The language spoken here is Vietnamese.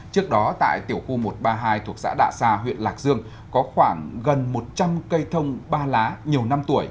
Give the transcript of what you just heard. trước đó tại tiểu khu một trăm ba mươi hai thuộc xã đạ sa huyện lạc dương có khoảng gần một trăm linh cây thông ba lá nhiều năm tuổi